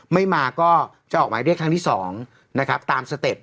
ไม่มาก็จะออกหมายเรียกครั้งที่๒นะครับตามสเต็ป